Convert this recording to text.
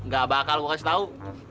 gak bakal gue kasih tau